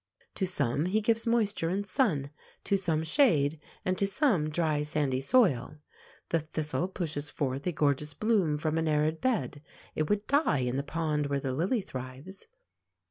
To some he gives moisture and sun, to some shade, and to some dry, sandy soil. The thistle pushes forth a gorgeous bloom from an arid bed. It would die in the pond where the lily thrives.